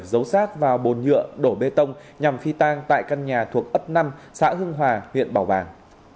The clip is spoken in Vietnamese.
giấu sát vào bồn nhựa đổ bê tông nhằm phi tang tại căn nhà thuộc ấp năm xã hưng hòa huyện bảo bàng